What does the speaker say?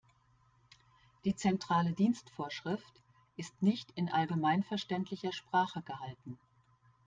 Die Zentrale Dienstvorschrift ist nicht in allgemeinverständlicher Sprache gehalten.